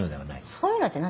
そういうのって何？